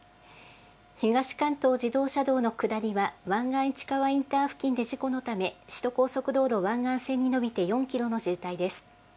東関東自動車道の下りはわんがんいちかわインター付近で事故のため、首都高速道路湾岸線に延びて４キロの渋滞です。